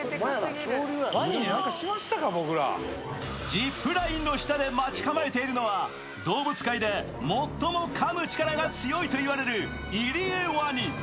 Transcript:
ジップラインの下で待ち構えているのは動物界で最もかむ力が強いといわれるイリエワニ。